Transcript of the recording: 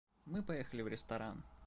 Мы поехали в ресторан.